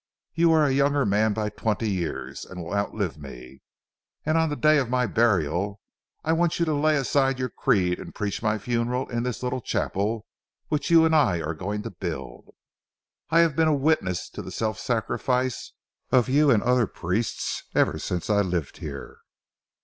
You're a younger man by twenty years and will outlive me, and on the day of my burial I want you to lay aside your creed and preach my funeral in this little chapel which you and I are going to build. I have been a witness to the self sacrifice of you and other priests ever since I lived here.